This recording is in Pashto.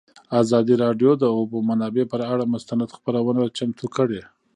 ازادي راډیو د د اوبو منابع پر اړه مستند خپرونه چمتو کړې.